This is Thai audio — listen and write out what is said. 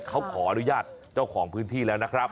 เขาขออนุญาตเจ้าของพื้นที่แล้วนะครับ